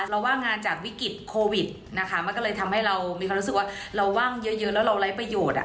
ว่างงานจากวิกฤตโควิดนะคะมันก็เลยทำให้เรามีความรู้สึกว่าเราว่างเยอะแล้วเราไร้ประโยชน์